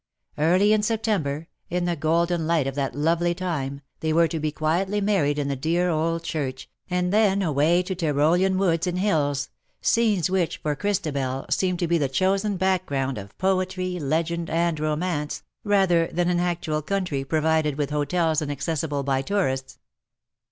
Early in September, in the golden light of that lovely time, they were to be quietly married in the dear old church, and then away to Tyrolean woods and hills — scenes which, for Christabel, seemed to be the chosen background of poetry, legend, and romance, rather than an actual country, provided with hotels, and accessible by tourists.